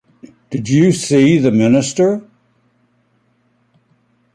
Did you see the minister?